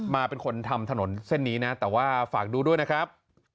เป็นคนทำถนนเส้นนี้นะแต่ว่าฝากดูด้วยนะครับ